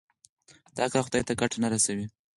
دا کار خدای ته ګټه نه رسوي.